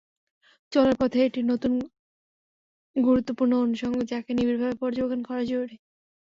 চলার পথে এটা নতুন গুরুত্বপূর্ণ অনুষঙ্গ, যাকে নিবিড়ভাবে পর্যবেক্ষণ করা জরুরি।